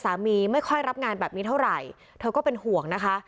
ไม่ค่อยรับงานแบบนี้เท่าไหร่เธอก็เป็นห่วงนะคะ